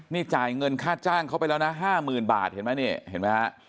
นี่จ่ายเงินค่าจ้างเขาไปแล้วนะ๕๐๐๐๐บาทเห็นไหม